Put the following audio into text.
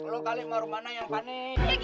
kau kali mau rumah mana yang panik